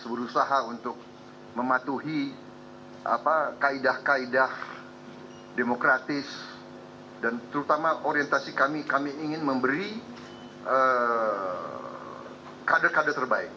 berusaha untuk mematuhi kaedah kaedah demokratis dan terutama orientasi kami kami ingin memberi kader kader terbaik